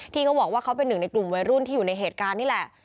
เขาบอกว่าเขาเป็นหนึ่งในกลุ่มวัยรุ่นที่อยู่ในเหตุการณ์นี่แหละ